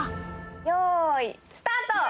よーい、スタート。